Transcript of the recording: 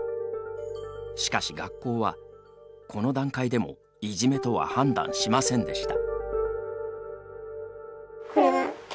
しかし、学校は、この段階でもいじめとは判断しませんでした。